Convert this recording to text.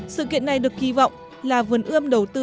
sự kiện này được kỳ vọng là vườn ươm đầu tư